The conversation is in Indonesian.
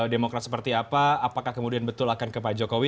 demokrat seperti apa apakah kemudian betul akan ke pak jokowi